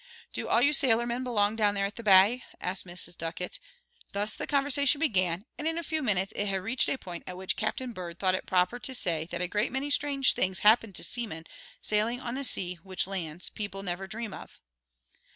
"Do all you sailormen belong down there at the bay?" asked Mrs. Ducket; thus the conversation began, and in a few minutes it had reached a point at which Captain Bird thought it proper to say that a great many strange things happen to seamen sailing on the sea which lands people never dream of.